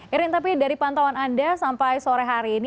irin tapi dari pantauan anda sampai sore hari ini